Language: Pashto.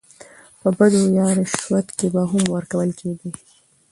په بډو يا رشوت کې به هم ورکول کېدې.